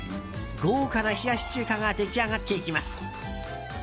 豪華な冷やし中華が出来上がっていきます。